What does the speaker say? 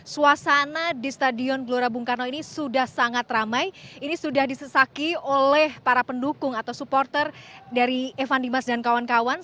suasana di stadion gelora bung karno ini sudah sangat ramai ini sudah disesaki oleh para pendukung atau supporter dari evan dimas dan kawan kawan